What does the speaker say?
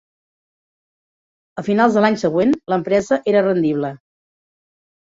A finals de l'any següent, l'empresa era rendible.